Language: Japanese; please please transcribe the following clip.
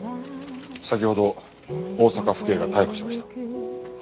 先ほど大阪府警が逮捕しました。